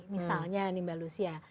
misalnya mbak lucia